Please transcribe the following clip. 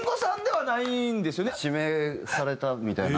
指名されたみたいな。